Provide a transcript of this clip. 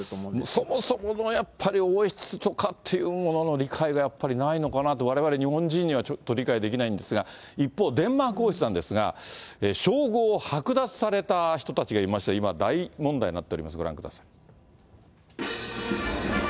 そもそものやっぱり、王室とかっていうものの理解がやはりないのかなと、われわれ日本人にはちょっと理解できないんですが、一方、デンマーク王室なんですが、称号を剥奪された人たちがいまして、今、大問題になっております。